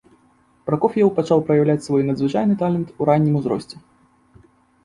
Пракоф'еў пачаў праяўляць свой надзвычайны талент у раннім узросце.